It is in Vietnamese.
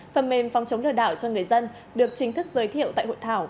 phần mềm phòng chống lừa đảo cho người dân được chính thức giới thiệu tại hội thảo